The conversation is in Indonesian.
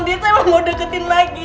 dia cuman mau deketin lagi